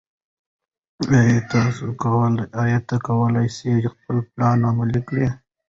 ایا ته کولای شې خپل پلان عملي کړې؟